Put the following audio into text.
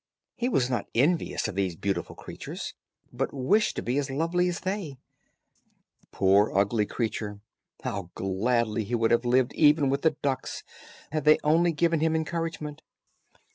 He was not envious of these beautiful creatures, but wished to be as lovely as they. Poor ugly creature, how gladly he would have lived even with the ducks had they only given him encouragement.